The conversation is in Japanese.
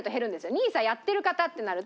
ＮＩＳＡやってる方ってなると。